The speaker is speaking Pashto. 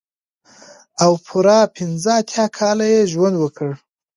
او پوره پنځه اتيا کاله يې ژوند وکړ.